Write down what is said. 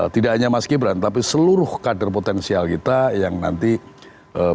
tidak hanya mas gibran tapi seluruh kader potensial kita yang nanti akan